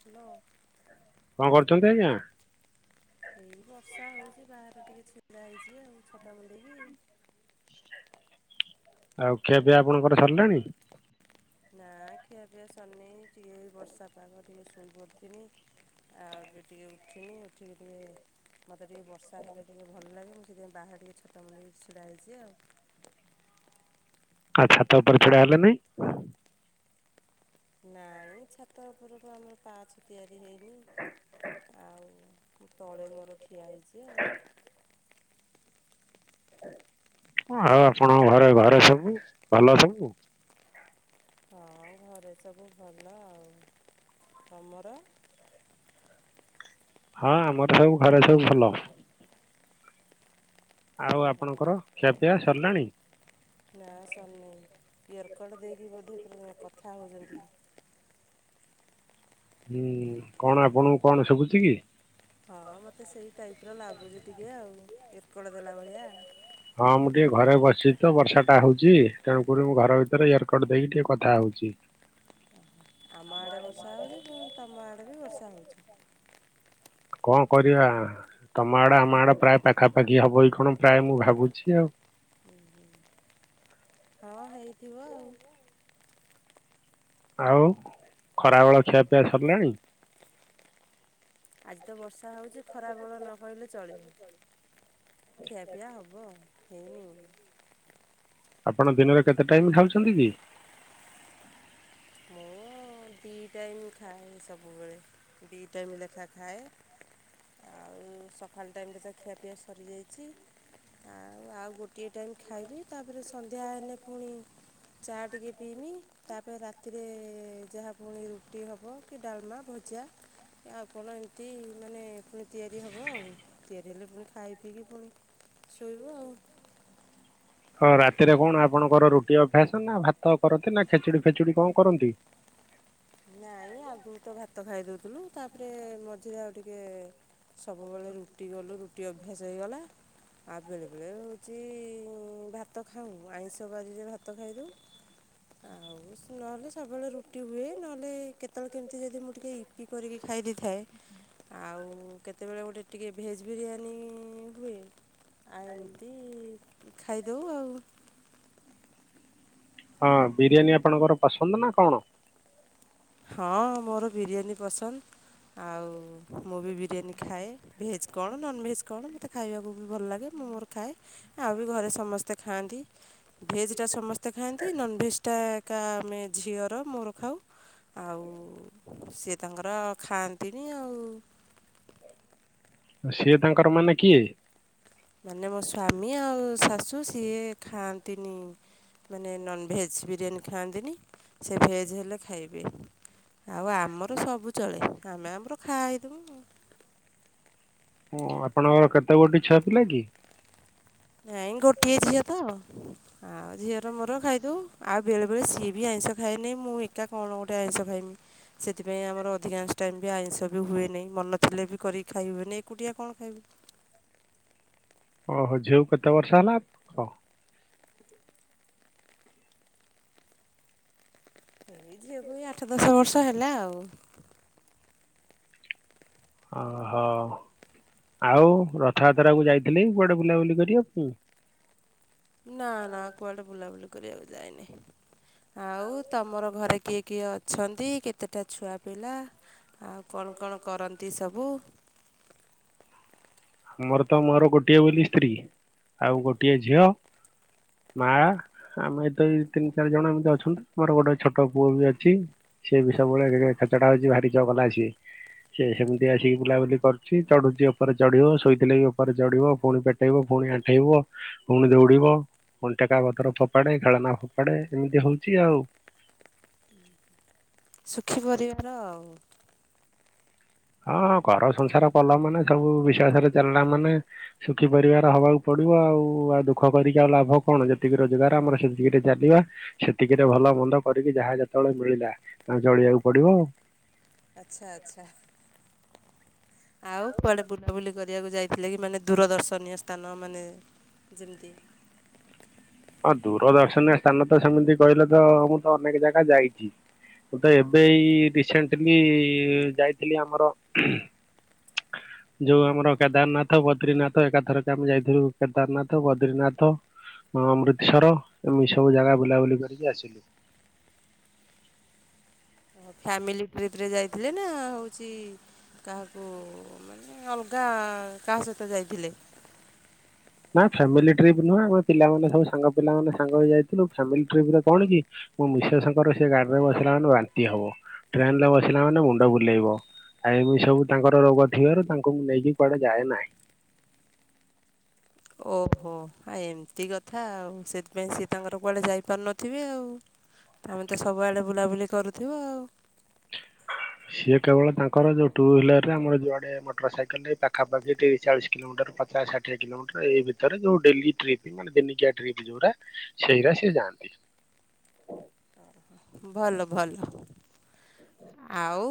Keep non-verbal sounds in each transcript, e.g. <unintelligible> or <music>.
Hello କଣ କରୁଚନ୍ତି। ଆ ବର୍ଷା ହଉଛି ବାହାରେ ଟିକେ ଛିଡ଼ା ହେଇଛି ଆଉ ଛତାମୁଣ୍ଡେଇକି ଆଉ ଖିଆ ପିଆ ଆପଣଙ୍କର ସରିଲାଣି? ନା ଖିଆପିଆ ସରିନି ଟିକେ ବର୍ଷା ପାଗ ଟିକେ ଶୋଇ ପଡ଼ିଥିନି ଆଉ ଏବେ ଟିକେ ଉଠିନି ଉଠିକିରି ମତେ ଟିକେ ବର୍ଷା ହେଲେ ଟିକେ ଭଲ ଲାଗେ ସେଥିପାଇଁ ବାହାରି ଛତା ମୁଣ୍ଡେଇ ଛିଡ଼ା ହେଇଛି ଆଉ ଆଉ ଛାତ ଉପରେ ଛିଡା ହେଲେ ନାଇଁ? ନାଇଁ ଛାତ ଉପରକୁ ଆମର ପାଛ ତିଆରି ହେଇନି ଆଉ ତଳେ ମୋର ଠିଆ ହେଇଛି ଆଉ ଆଉ ଆପଣଙ୍କ ଘରେ ଘରେ ସବୁ ଭଲ ସବୁ ହଁ ଘରେ ସବୁ ଭଲ ଆଉ, ତମର? ହଁ ଆମର ସବୁ ଘରେ ସବୁ ଭଲ। ଆଉ ଓହୋ ଆପଣଙ୍କର ଖିଆପିଆ ସରିଲାଣି? ନା ସରନି ଇୟର କଡ ଦେଇକି ବୋଧେ କଥା ହଉଛନ୍ତି? ହୁଁ କଣ ଆପଣ କଣ ଶୁଭୁଛି କି? ହଁ ମତେ ସେଇ ଟାଇପିର ଲାଗୁଛି ଟିକେ ଆଉ ଇୟରକର୍ଡ଼ ଦେଲା ଭଳିଆ। ହଁ ମୁଁ ଟିକେ ଘରେ ବସିଛି ତ ବର୍ଷା ଟା ହଉଛି ତେଣୁକରି ମୁଁ ଘର ଭିତରେ ଇୟରକର୍ଡ ଦେଇକି ଟିକେ କଥା ହଉଛି। ଜି। ଆମ ଆଡ଼େ ବର୍ଷା ହେଉଛି ପୁଣି ତମ ଆଡ଼େ ବି ବର୍ଷା ହେଉଛି? କଣ କରିବା ତମ ଆଡେ ଆମ ଆଡେ ପ୍ରାୟ ପାଖାପାଖି ହବ କି କଣ ପ୍ରାୟ ମୁଁ ଭାବୁଛି ଆଉ। <unintelligible> ହଁ ହେଇଥିବ ଆଉ। ଆଉ ଖରା ବେଳ ଖିଆ ପିଆ ସରିଲାଣି? ଆଜି ତ ବର୍ଷା ହେଉଛି ଖରା ବଳ ନ କହିଲେ ଚଳିବ‌। ଖିଆପିଆ ହବ ଆଉ ହେଇନି। ଆପଣ ଦିନରେ କେତେ ଟାଇମି ଖାଉଛନ୍ତି କି? ଦି ଟାଇମ୍ ଖାଏ ସବୁବେଳେ ଦି ଟାଇମ୍ ଲେଖା ଖାଏ ଆଉ ସକାଳ ଟାଇମିରେ ତ ଖିଆପିଆ ସରିଯାଇଚି। ଆଉ ଆଉ ଗୋଟିଏ ଟାଇମି ଖାଇବି ତାପରେ ସନ୍ଧ୍ୟା ହେନେ ପୁଣି ଚା ଟିକିଏ ପିଇମି ତାପରେ ରାତି ରାତିରେ ଯାହା ପୁଣି ରୁଟି ହେବ କି ଡାଲମା ଭଜା ଆଉ କଣ ଏମିତି ମାନେ ପୁଣି ତିଆରି ହେବ ଆଉ ତିଆରି ହେଲେ ପୁଣି ଖାଇ ପିକି ପୁଣି ଶୋଇବୁ ଆଉ। ହଁ ରାତିରେ କଣ ଆପଣଙ୍କର ରୁଟି ଅଭ୍ୟାସ ନା ଭାତ କରନ୍ତି ନା ଖେଚୁଡି ଫେଚୁଡି କଣ କରନ୍ତି? ଆଜ୍ା <unintelligible> ନାଇଁ ଆଗରୁ ତ ଭାତ ଖାଇଦଉଥିଲୁ ତା ପରେ ମଝିରେ ଆଉ ଟିକେ ସବୁବେଳେ ରୁଟି କଲୁ ରୁଟି ଅଭ୍ୟାସ ହେଇଗଲା ଆଉ ବେଳେ ବେଳେ ହେଉଛି ଭାତ ଖାଉ ଆଇଁଷ ବାରିରେ ଭାତ ଖାଇଦଉ ଆଉ ନହେଲେ ସବୁବେଳେ ରୁଟି ହୁଏ ନହେଲେ କେତେବେଳେ କେମିତି ଯଦି ମୁଁ ଟିକେ ଇପି କରିକି ଖାଇ ଦେଇଥାଏ ଆଉ କେତେବେଳେ ଗୋଟେ ଟିକେ ଭେଜ ବିରିୟାନୀ ହୁଏ। ଆଉ ଏମିତି ଖାଇଦଉ ଆଉ ହଁ ବିରିୟାନୀ ଆପଣଙ୍କର ପସନ୍ଦ ନା କଣ? ହଁ ମୋର ବିରିୟାନୀ ପସନ୍ଦ। ଆଉ ମୁଁ ବି ବିରିୟାନୀ ଖାଏ। ଭେଜ୍ କଣ ନନ୍ ଭେଜ୍ କଣ ମୋତେ ଖାଇବାକୁ ବି ଭଲ ଲାଗେ। ମୁଁ ମୋର ଖାଏ ଆଉ ବି ଘରେ ସମସ୍ତେ ଖାଆନ୍ତି। ଭେଜ୍ ଟା ସମସ୍ତେ ଖାଆନ୍ତି ନନ୍ ଭେଜ୍ ଟା ଏକା ଆମେ ଝିଅର ମୋର ଖାଉ ଆଉ ସିଏ ତାଙ୍କର ଖାଆନ୍ତିନି ଆଉ। ସିଏ ତାଙ୍କର ମାନେ କିଏ? ମାନେ ମୋ ସ୍ଵାମୀ ଆଉ ଶାଶୁ ସିଏ ଖାଆନ୍ତିନି ମାନେ ନନଭେଜ୍ ବିରିୟାନୀ ଖାଆନ୍ତିନି ସେ ଭେଜ୍ ହେଲେ ଖାଇବେ। ଆଉ ଆମର ସବୁ ଚଳେ ଆମେ ଆମର ଖାଇ ଦେଉ। ହୁ ଆପଣଙ୍କର କେତେ ଗୋଟେ ଛୁଆ ପିଲା କି? ନାଇଁ ଗୋଟିଏ ଝିଅ ତ ଆଉ ଝିଅର ମୋର ଖାଇଦଉ ଆଉ ବେଳେ ବେଳେ ସିଏ ବି ଆଇ ଆଇଁଷ ଖାଇନି ମୁଁ ଏକା କଣ ଗୋଟେ ଆଇଁଷ ଖାଇମି ସେଥିପାଇଁ ଆମର ଅଧିକା ଅଂଶ ଟାଇମ୍ ବି ଆଇଁଷ ବି ହୁଏନାଇ। ମନ ଥିଲେ ବି କରିକି ଖାଇ ହୁଏନି ଏକୁଟିଆ କଣ ଖାଇବି। <unintelligible> ଓହୋ ଝିଅ କୁ କେତେ ବର୍ଷ ହେଲା ଖ? ଏଇ ଝିଅକୁ ଏଇ ଆଠ ଦଶ ବର୍ଷ ହେଲା ଆଉ। ଅହ। ଆଉ ରଥଯାତ୍ରା କୁ ଯାଇଥିଲି କୁଆଡେ ବୁଲାବୁଲି କରିବାକୁ? ନା ନା କୁଆଡେ ବୁଲାବୁଲି କରିବାକୁ ଯାଇନି। ଆଉ ତମର ଘରେ କିଏ କିଏ ଅଛନ୍ତି, କେତେଟା ଛୁଆ ପିଲା? ଆଉ କଣ କଣ କରନ୍ତି ସବୁ? <inaudible> ମୋର ତ ମୋର ଗୋଟିଏ ବୋଲି ସ୍ତ୍ରୀ, ଆଉ ଗୋଟିଏ ଝିଅ। ମା ଆମେ ଏ ତ ଏଇ ତିନି ଚାରି ଜଣ ଏମିତି ଅଛନ୍ତି। ମୋର ଗୋଟେ ଛୋଟ ପୁଅ ବି ଅଛି। ସିଏ ବି ସବୁବେଳେ ଏ ଖେଛଟ ହଉଛି ଭାରି ଚଗଲା ସିଏ। ସେ ସେମିତି ଆସିକି ବୁଲାବୁଲି କରୁଛି। ଚଢୁଛି ଉପରେ ଚଢିବ ଶୋଇଥିଲେ ବି ଉପରେ ଚଢିବ, ପୁଣି ପେଟେଇବ, ପୁଣି ଆଣ୍ଠେଇବ, ପୁଣି ଦୌଡିବ। ପୁଣି ଟେକା ପଥର ଫୋପାଡେ, ଘେଳନା ଫୋପାଡେ ଏମିତି ହଉଛି ଆଉ। <inaudible> ସୁଖୀ ପରିବାର ଆଉ। ହଁ ଘର ସଂସାର କଲ ମାନେ ସବୁ <unintelligible> ଚାଲିଲା ମାନେ ସୁୁଖି ପରିବାର ହବାକୁ ପଡୁ ପ ଆଉ ଆଉ ଦୁଃଖ କରିକି ଆଉ ଲାଭ କଣ। ଯେତିକି ରୋଜଗାର ଆମର ସେତିକିରେ ଚାଲିବା ସେତିକିରେ ଭଲ ବନ୍ଦ କରିକି ଯାହା ଯେତେବେଳେ ମିଳିଲା ଆ ଚଳିବାକୁ ପଡିବ। ଆଚ୍ଛା ଆଚ୍ଛା। ଆଉ କୁଆଡେ ବୁଲାବୁଲି କରିବାକୁ ଯାଇଥିଲେ କି ମାନେ ଦୂରଦର୍ଶନୀୟ ସ୍ଥାନ ମାନେ ଯେମତି <inaudible> ହଁ ଦୂରଦର୍ଶନୀୟ ସ୍ଥାନ ତ ସେମିତି କହିଲେ ତ-ଅ-ଅ ମୁଁ ତ ଅନେକ ଜାଗା ଯାଇଛି। ମୁଁ ତ ଏବେଇ ରିସେଣ୍ଟଲି-ଇ-ଇ-ଇ ଯାଇଥିଲି ଆମର ହ <inaudible> ଯୋଉ ଆମର କେଦାରନାଥ, ବଦ୍ରିନାଥ ଏକାଥରକେ ଆମେ ଯାଇଥିଲୁ କେଦାରନାଥ, ବଦ୍ରିନାଥ। ଆ ଅମୃତସର ଏମିତି ସବୁ ଜାଗା ବୁଲାବୁଲି କରିକି ଆସିଲୁ। <inaudible> ଫ୍ୟାମିଲି ଟ୍ରିପ ରେ ଯାଇଥିଲେ ନା ହଉଛି କାହାକୁ-ଉ-ଉ-ଉ ମାନେ ଅଲଗା କାହା ସହିତ ଯାଇଥିଲେ? ହଁ <inaudible> ନା ଫ୍ୟାମିଲି ଟ୍ରିପ ନୁହଁ ଆମେ ପିଲାମାନେ ସବୁ ସାଙ୍ଗ ପିଲା ମାନେ ସାଙ୍ଗ ହେଇ ଯାଇଥିଲୁ। ଫ୍ୟାମିଲି ଟ୍ରିପ ରେ କଣ କି ମୁଁ ମିଶେସଙ୍କର ସେ ଗାଡି ରେ ବସିଲା ମାନେ ବାନ୍ତି ହବ, ଟ୍ରେନ ରେ ବସିଲା ମାନେ ମୁଣ୍ଡ ବୁଲେଇବ। ଆଉ ଏମିତି ସବୁ ତାଙ୍କର ରୋଗ ଥିବାରୁ ତାଙ୍କୁ ମୁଁ ନେଇକି କୁଆଡେ ଯାଏ ନାହିଁ। ହ <inaudible> ଆଁ ଏମିତି କଥା ଆଉ ସେଥିପାଇଁ ସିଏ ତାଙ୍କର କୁଆଡେ ଯାଇପାରୁନଥିବେ ଆଉ। ତମେ ତ ସବୁଆଡେ ବୁଲାବୁଲି କରୁଥିବ। ହଁ <inaudible> ସିଏ କେବଳ ତାଙ୍କର ଯୋଉ ଟୁଇହିଲର ରେ ଆମର ଯୁଆଡେ ମୋଟରସାଇକେଲରେ ପାଖାପାଖି ତିରିଶ ଚାଳିଶ କିଲୋମିଟର ପଚାଶ ଷାଠିଏ କିଲୋମିଟର ଏଇ ଭିତରେ ଯୋଉ ଡେଲି ଟ୍ରିପ୍ ମାନେ ଦିନିକିଆ ଟ୍ରପ୍ ଯୋଉଟା ସେଇରା ସିଏ ଯାଆନ୍ତି। ହ <inaudible> ଭଲ ଭଲ ଆଉ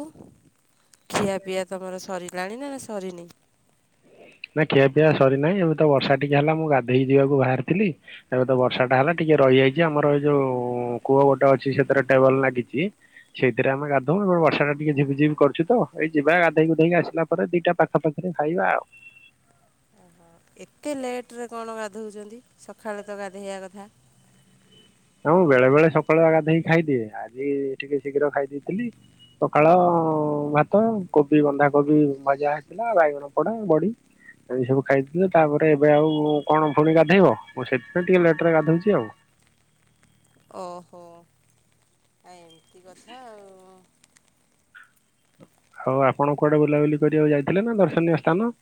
ଖିଆ ପିଆ ତମର ସରିଲାଣି ନା, ନା ସରିନି? ନା ଖିଆ ପିଇଆ ସରିନାହିଁ ଏବେ ତ ବର୍ଷା ଟିକେ ହେଲା ମୁଁ ଗାଧେଇ ଯିବାକୁ ବାହାରିଥିଲି। ଏବେ ତ ବର୍ଷା ଟା ହେଲା। ଟିକେ ରହିଯାଇଛି ଆମର ଏ ଯଉ-ଉ-ଉ କୂଅ ଗୋଟେ ଅଛି ସେଥିରେ ଟେବଲ ଲାଗିଛି ସେଇଥିରେ ଆମେ ଗାଧ ହ ବର୍ଷା ଟିକେ ଝିପି ଝିପି କରୁଚି ତ ଏଇ ଯିବା ଗାଧୋଇ ଗୁଧେଇକି ଆସିଲା ପରେ ଦିଟା ପାଖା ପାଖିରେ ଖାଇବା ଆଉ। ଏତେ ଲେଟରେ କଣ ଗାଧଉଛନ୍ତି? ସକାଳେ ତ ଗାଧୋଇବା କଥା। ହ ମୁଁ ବେଳେ ବେଳେ ସକାଳୁଆ ଗାଧୋଇକି ଖାଇଦିଏ। ଆଜି ଟିକେ ଶୀଘ୍ର ଖାଇ ଦେଇଥିଲି। ସକାଳ-ଅ-ଅ-ଅ ଭାତ କୋବି ବନ୍ଧାକୋବି ଭଜାହେଇଥିଲା ବାଇଗଣ ପୋଡା, ବଡି। ଏଇ ସବୁ ଖାଇଥିଲେ ତାପରେ ଏବେ ଆଉ କଣ ପୁଣି ଗାଧେଇବ ମୁଁ ସେଥିପାଇଁ ଟିକେ ଲେଟ ରେ ଗାଧଉଛି ଆଉ। ଓହୋ ଆ ଏମିତି କଥା ଆଉ। ଆଉ ଆପଣ କୁଆଡେ ବୁଲାବୁଲି କରିବାକୁ ଯାଇଥିଲେ ନା ଦର୍ଶନୀୟ ସ୍ଥାନ। <inaudible>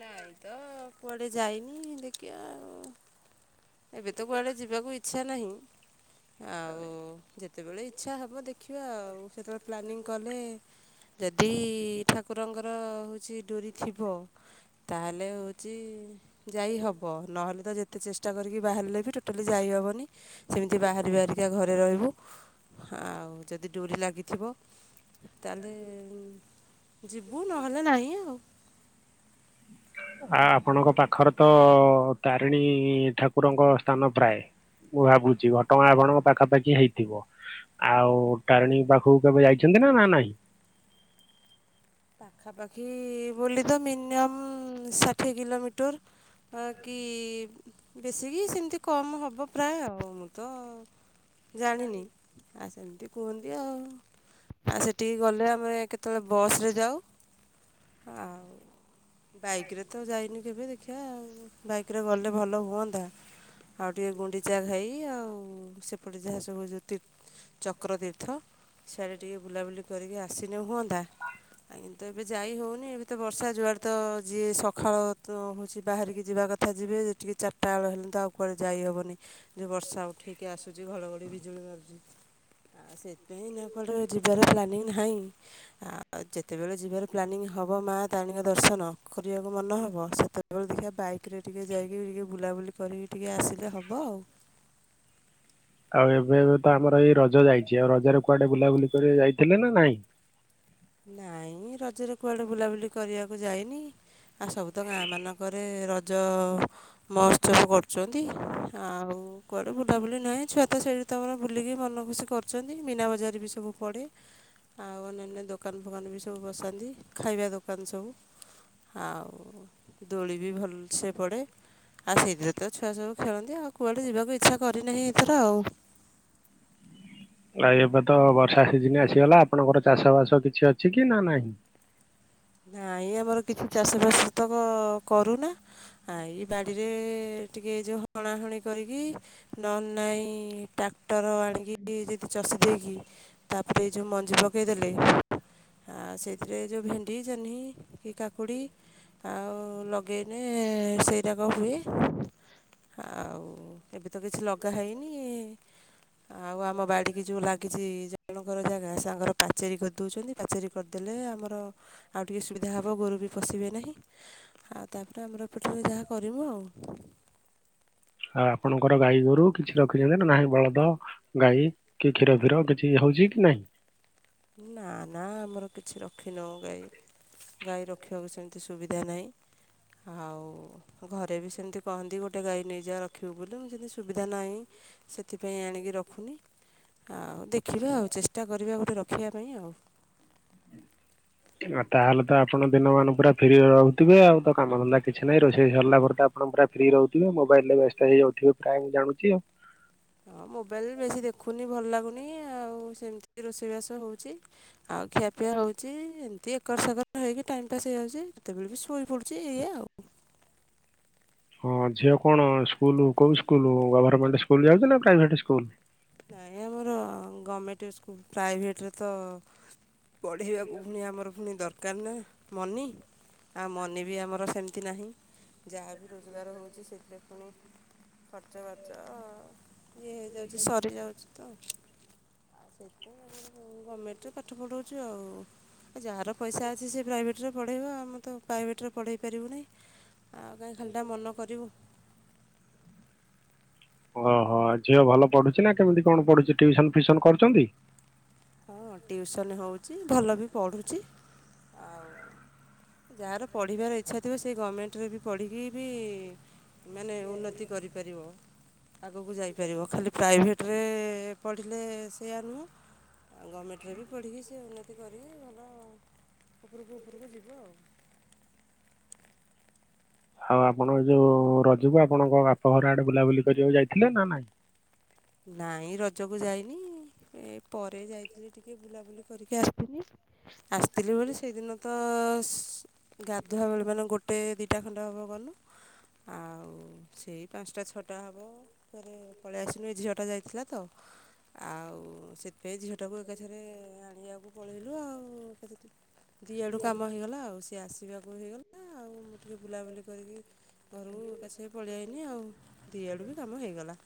ନାଇଁ ତ କୁଆଡେ ଯାଇନି ଦେଖିବା ଆଉ ଏବେ ତ କୁଆଡେ ଯିବାକୁ ଇଚ୍ଛା ନାହିଁ ଆଉ ଯେତେବେଳେ ଇଚ୍ଛା ହବ ଦେଖ ଦେଖିବା ଆଉ ସେତେବେଳେ ପ୍ଲାନିଂ କଲେ ଯଦି ଠାକୁରଙ୍କର ଯିଏ ଡୋରିଥିବ ତାହେଲେ ହଉଛି ଯାଇ ହବ ନହେଲେ ତ ଯେତେ ଚେଷ୍ଟା କରିକି ବାହାରିଲେ ବି ଟୋଟାଲି ଯାଇହବନି ସେମିତି ବାହାରି ବାହାରିକା ଘରେ ରହିବୁ, ଆଉ- ଯଦି ଡୋରି ଲାଗିଥିବ ତଆହେଲେ ଯିବୁ ନହେଲେ ନାହିଁ ଆଉ ଆ ଆପଣଙ୍କ ପାଖରେ ତ ତାରିଣୀ ଠାକୁରଙ୍କ ସ୍ଥାନ ପ୍ରାୟ ମୁଁ ଭାବୁଛି ଘଟଣା ଆପଣଙ୍କ ପାଖାପାଖି ହେଇଥିବ ଆଉ ତାରିଣୀ ପାଖକୁ କେବେ ଯାଇଛନ୍ତି ନା ନା ନାହିଁ? ପାଖାପାଖି ବୋଲି ତ ମିନିମମ୍ ଷାଠିଏ କିଲୋମିଟର କି ବେଶିକି ସେମିତି କମ୍ ହେବ ପ୍ରାୟ ଆଉ ମୁଁ ତ ଜାଣିନି ଆ ସେମିତି କୁହନ୍ତି ଆଉ ଆ ସେଠିକି ଗଲେ ଆମେ କେତେବେଳେ ବସ୍ରେ ଯାଉ ଆଉ ବାଇକରେ ତ ଯାଇନି କେବେ ଦେଖିବା ବାଇକରେ ଗଲେ ଭଲ ହୁଅନ୍ତା। ଆଉ ଟିକେ ଗୁଣ୍ଡିଚା ଘାଇ ଆଉ ସେପଟେ ଯାହା ସବୁ ଚକ୍ରତୀର୍ଥ ସଆଡ଼େ ଟିକେ ବୁଲାବୁଲି କରିକି ଆସିନେ ହୁଅନ୍ତା ଆ କିୁ ଏବେ ଯାଇ ହଉନି ଏବେ ତ ବର୍ଷା ଯୁଆଡେ ତ ଯିଏ ସକାଳ ତ ହେଉଛି ବାହାରିକି ଯିବା କଥା ଯିବେ ଯେ ଟିକି ଚାରିଟା ବେଳ ହେଲେଣି ତ ଆଉ କୁଆେ ଯାଇହବନି ଯୋଉ ବର୍ଷା ହଉ ଠିକ ଆସୁଛି ଘଲ ଘଡି ବିଜୁଳି ବାରୁୁଛି ଆଉ ସେଥିପାଇଁ ଯିବାର ପ୍ଲାନିଂ ନାହିଁ ଆଉ ଯେତେବେଳେ ଯିବାର ପ୍ଲାନିଂ ହେବ ମା ତାରିଣୀଙ୍କ ଦର୍ଶନ କରିବାକୁ ମନେ ହେବ ସେତେବେଳେ ଦେଖିବା ବାଇକ୍ ପାଖରେ ଟିକେ ଯାଇକି ଟିକେ ବୁଲାବୁଲି କରିକି ଟିକେ ଆସିଲେ ହବ ଆଉ ଏବେବେ ତ ଆମର ଏଇ ରଜ ଯାଇଛି ଆଉ ରଜରେ କୁଆଡେ ବୁଲାବୁଲି କରି ଯାଇଥିଲେ ନା ନାଇଁ? ନାଇଁ ରଜରେ କୁଆଡେ ବୁଲାବୁଲି କରିବାକୁ ଯାଇନି ଆ ସବୁ ତ ଗାଁ ମାନଙ୍କରେ ରଜ ମହୋତ୍ସବ କରୁଛନ୍ତି ଆଉ ଉ କୁଆଡ଼େ ବୁଲାବୁଲି ନାହିଁ ଛୁଆ ତ ସେଇଠି ତମର ବୁଲିକି ମନ ଖୁସି କରିଛନ୍ତି ମନାବଜାର ବି ସବୁ ପଡ଼େ ଆଉ ଅନ୍ୟାନ୍ୟ ଦୋକାନ ଫୋକାନ ବି ସବୁ ବସାନ୍ତି ଖାଇବା ଦୋକାନ ସବୁ ଆଉ ଦୋଳି ବି ଭଲସେ ପଡେ ଆଉ ସେଇଥିରେ ତ ଛୁଆ ସବୁ ଖେଳନ୍ତି ଆଉ କୁଆଡ଼େ ଯିବାକୁ ଇଚ୍ଛା କରିନାହିଁ, ଏଥର ଆଉ ଆଉ ଏବେ ତ ବର୍ଷା ସିଜିନ ଆସିଗଲା ଆପଣଙ୍କର ଚାଷ ବାସ କିଛି ଅଛି କି ନା ନାହିଁ। ନାଇ ଆମର କିଛି ଚାଷ ବାସ ତ କରୁନା ଆ ଏଇ ବାଡିରେ ଟିକେ ଏ ଯୋଉ ହଣା ହଣି କରିକି ନ ନାଇଁ ଟାକ୍ଟର ଆଣିକି ଯଦି ଚଷି ଦେଇକି ତାପରେ ଯେଉଁ ମଞ୍ଜି ପକାଇଦେଲେ ଆ ସେଇଥିରେ ଯେଉଁ ଭେଣ୍ଡି ଜହ୍ନି କି କାକୁଡ଼ି ଆଉ ଲଗ ଲଗେଇଲେ ସେଇ ଯାକ ହୁଏ ଆଉ ହ ଏବେ ତ କିଛି ଲଗା ହେଇନି ଆଉ ଆମ ବାଡ଼ କି ଯେଉଁ ଲାଗିଛି ଜଣ ତାଙ୍କର ଯାହା ଘା ସାଙ୍ଗର ପାଚେରୀ କରିଦେଉଛନ୍ତି, ପାଚେରୀ କରିଦେଲେ ଆମର ଆଉ ଟିକେ ସୁବିଧା ହେବ ଗୋରୁ ବି ପଶିବେ ନାହିଁ ଆଉ ତାପରେ ଆମର ଏପଟରେ ଯାହା କରିମୁ ଆଉ ହଁ। ଆପଣଙ୍କର ଗାଈ ଗୋରୁ କିଛି ରଖିଛନ୍ତି ନା ନାହିଁ, ବଳଦ ଗାଈ କି କ୍ଷୀର କ୍ରର କିଛି ହଉଛି କି ନାହିଁ। ଁ <inaudible> ନା ନା ଆମର କିଛି ରଖିିନଉ ଗାଈ ଗାଈ ରଖିବାକୁ ସେମିତି ସୁବିଧା ନାହିଁ। ଆଉ ଘରେ ବି ସେମିତି କହନ୍ତି, ଗୋଟେ ଗାଈ ନେଇଯା ରଖିବୁ ବୋଲି ମୁ ଯେମିତି ସୁବିଧା ନାହିଁ ସେଥିପାଇଁ ଆଣିକି ରଖୁନି ଆଉ ଦେଖିବା ଆଉ ଚେଷ୍ଟା କରିବା ଆଉ ଗୋଟେ ର ଶଖବା ପାଇଁ ଆଉ। ଆଉ ତାହେଲେ ତ ଆପଣ ଦିନମାନ ପୁରା ଫ୍ରି ରେ ରହୁଥିବେ ଆଉ ତ କାମ ଧନ୍ଦା କିଛି ନାହିଁ ରୋଷେଇ ସରିଲା ପରେ ତ ଆପଣ ପୁରା ଫ୍ରି ରହୁଥିବେ ମୋବାଇଲ ରେ ବ୍ୟସ୍ତ ହେଇଯାଉଥିବେ ପ୍ରାୟ ମୁଁ ଜାଣୁଛି ଆଉ। ହଁ ମୋବାଇଲରେ ବେଶୀ ଦେଖୁନି ଭଲ ଲାଗୁନି ଆଉ ସେମିତି ରୋଷେଇବାସ ହଉଛି। ଆଉ ଖିଆପିଆ ହଉଛି ଏମିତି କସରତ ହେଇକି ଟାଇମ୍ ପାସ୍ ହେଇଯାଉଛି ତେବେବି ଶୋଇ ପଡ଼ୁଛି ଏଇଆ ଆଉ। ହଁ ଝିଅ କଣ ସ୍କୁଲ କୋଉ ସ୍କୁଲ ଗଭର୍ମେଣ୍ଟ ସ୍କୁଲ ଯାଉଛି ନା ପ୍ରାଇଭେଟ ସ୍କୁଲ? ସ୍କୁଲ ପ୍ରାଇଭେଟ୍ରେ ତ ପଢ଼େଇବାକୁ ପୁଣି ଆମର ପୁଣି ଦର କାର ନା ମନି। ଆଉ ମନି ବି ଆମର ସେମିତି ନାହିଁ ଯାହା ବି ରୋଜଗାର ହେଉଛି ସେଥିରେ ପୁଣି ଖର୍ଚ ବାର୍ଚ ଚ ଇଏ ହେଇଯାଉଛି ସରିଯାଉଛି ତ ଆଉ ସେଥିପାଇଁ ଆମର ଗମେଣ୍ଟରେ ପାଠ ପଢ଼ଉଛି ଆଉ। ଯାହାର ପଇସା ଅଛି ସେ ପ୍ରାଇଭେଟ୍ରରେ ପଢ଼ାଇବ ଆମ ତ ପ୍ରାଇଭେଟ୍ରରେ ପଢ଼ାଇ ପାରିବୁନାହି ଆଉ କାହିଁ ଖାଲିଟା ମନ କରିବୁ। ଓହୋ ଝିଅ ଭଲ ପଢୁଛି ନା କେମିତି କଣ ପଢୁଛି ଟ୍ୟୁସନ୍ ଫିଉସନ କରୁଛନ୍ତି? ହଁ ଟ୍ୟୁସନ୍ ହେଉଛି ଭଲ ବି ପଢ଼ୁଛି ଆଉ ଯାହାର ପଢିବାର ଇଚ୍ଛା ଥିବ ସେ ଗମେଣ୍ଟରେ ବି ପଢ଼ିକି ବି ମାନେ ଉନ୍ନତି କରିପାରିବ। ଆଗକୁ ଯାଇପାରିବ ଖାଲି ପ୍ରାଇଭେଟରେ ପଢ଼ିଲେ ସେଇୟା ନୁହଁ। ଆଉ ଗମେଣ୍ଟରେ ବି ପଢ଼ିକି ସେ ଉନ୍ନତି କରିବେ ଭ ଲ ଉପରକୁ ଉପରକୁ ଯିବୁ ଆଉ। ଆଉ ଆପଣଙ୍କ ଯୋଉ ରଜକୁ ଆପଣଙ୍କ ବାପଘର ଆଡେ ବୁଲାବୁଲି କରିବାକୁ ଯାଇଥିଲେ ନା ନାଇଁ। ନାଇଁ ରଜକୁ ଯାଇନି। ଏ ପରେ ଯାଇଥିଲି ଟିକେ ବୁଲାବୁଲି କରିକି ଆସିିନି ଆସିଥିଲି ବୋଲି ସେଇଦିନ ତ। <unintelligible> ଗାଧୁଆ ବେଳେ ମାନେ ଗୋଟେ ଦୁଇଟା ଖଣ୍ଡ ହେବ ଗଲୁ ଆଉ ସେଇ ପାଞ୍ଚଟା ଛଅଟା ହେବ ଥରେ ପଳେଇ ଆସିଲୁ ଏ ଝଅଟା ଯାଇଥିଲା ତ। ଆଉ ସେଥିପାଇଁ ଝିଅଟାକୁ ଏକାଥରେ ଆଣିବାକୁ ପଳେଇଲୁ ଆଉ ଏକାସାଥିରେ। ଦିଆଡୁ କାମ ହେଇଗଲା ଆଉ ସିଏ ଆସିବାକୁ ହେଇଗଲା ଆଉ ଆଉ ମୁଁ ଟିକିଏ ବୁଲାବୁଲି କରିକି ଘରକୁ ଏକାସଙ୍ଗେ ପଳେଇଆଇଲି ଆଉ। ଦିଆଡୁ ବି କାମ ହେଇଗଲା।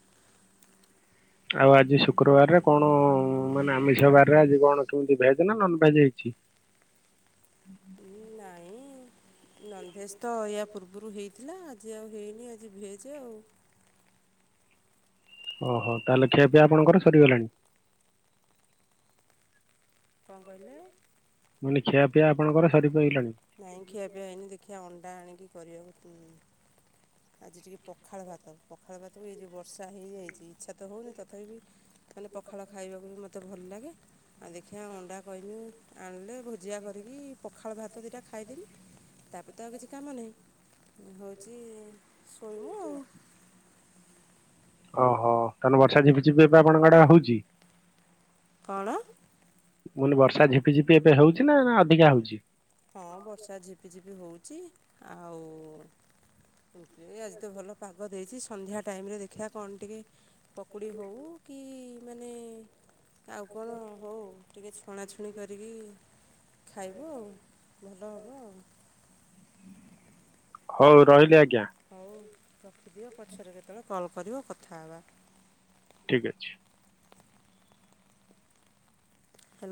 ଆଉ ଆଜି ଶୁକ୍ରବାରରେ କଣ ମାନେ ଆମିଷ ବାରରେ ଆଜି କଣ କେମିତି ଭେଜ ନା ନନଭେଜ ହେଇଛି? ଇଁ ନାଇଁ ନନଭେଜ୍ ତ ଏୟା ପୂର୍ବରୁ ହେଇଥିଲା ଆଜି ଆଉ ହେଇନି ଆଜି ଭେଜ୍ ଆଉ। ଓହୋ ତାହେଲେ ଖିଆପିଇଆ ଆପଣଙ୍କର ସରିଗଲାଣି। କଣ କଇଲେ? ମାନେ ଖିଆପିଆ ଆପଣଙ୍କର ସରି ନାଇଁ ଖିଆପିଆ ହେଇନି ଦେଖିବା ଅଣ୍ଡା ଆଣିକି କରିବାକୁ ପଡ଼ି ଆଜି ଟିକେ ପଖାଳ ଭାତ ପଖାଳ ଭାତ ଏ ଯେଉଁ ବର୍ଷା ହେଇଯାଇଛି ଇଚ୍ଛା ତ ହେଉନି ତଥାବି ଖାଲି ପଖାଳ ଖାଇବାକୁ ବି ମୋତେ ଭଲ ଲାଗେ ଆଉ ଦେଖିବା ଅଣ୍ଡା କହିମି ଆଣିଲେ ଭୋଜିଆ କରିକି ପଖାଳ ଭାତ ଦୁଇଟା ଖାଇଦେଲିି ତାପରେ ତ ଆଉ କିଛି କାମ ନାହିଁ। ହଉଚି ଶୋଇମୁ ଆଉ। ଓହୋ ତାହେଲେ ବର୍ଷା ଝିପିଝିପି ଏବେ ଆପଣଙ୍କ ଆଡେ ହଉଛି। କଣ? ମୁନି ବର୍ଷା ଝପି ଝିପି ଏବେ ହଉଛି ନା ଅଧିକା ହଉଛି? ହଁ ବର୍ଷା ଝିପିଝିପି ହଉଛି ଆଉ ଆଜି ତ ଭଲ ପାଗ ଦେଇଛି ସନ୍ଧ୍ୟା ଟାଇମରେ ଦେଖିବା କଣ ଟିକେ ପକୁଡ଼ି ହଉ ଆଉ କଣ ହଉ ଟିକେ ଛଣାଛୁଣି କରିକି ଖାଇବୁ ଆଉ। ଭଲ ହେବ ଆଉ। ହଉ ରହିଲି ଆଜ୍ଞା। ହଉ ରଖିଦିଅ ପଛରେ କେତେବେଳେ କଲ୍ କରିବ କଥା ହେବା। ଠିକ ଅଛି। ହେଲା